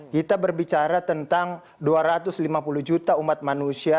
kita berbicara tentang dua ratus lima puluh juta umat manusia